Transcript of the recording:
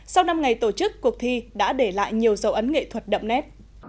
sau năm ngày tổ chức cuộc thi đã để lại nhiều dấu ấn nghệ thuật đậm nét